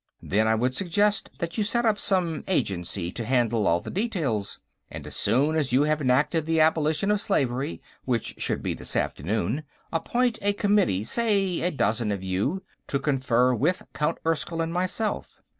Then, I would suggest that you set up some agency to handle all the details. And, as soon as you have enacted the abolition of slavery, which should be this afternoon, appoint a committee, say a dozen of you, to confer with Count Erskyll and myself.